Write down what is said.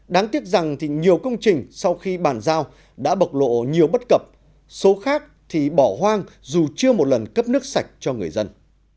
đáng tiếc rằng nhiều công trình sau khi bàn giao đã bộc lộ nhiều bất cập số khác thì bỏ hoang dù chưa một lần cấp nước sạch cho người dân